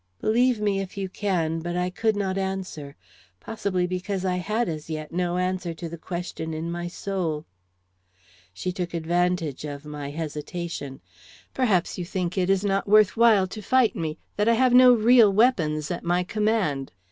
Believe me if you can, but I could not answer; possibly because I had as yet no answer to the question in my soul. She took advantage of my hesitation. "Perhaps you think it is not worth while to fight me; that I have no real weapons at my command?"